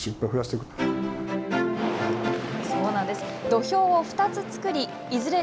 土俵を２つ作りいずれ